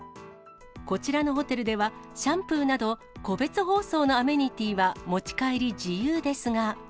こちらのホテルでは、シャンプーなど、個別包装のアメニティーは持ち帰り自由ですが。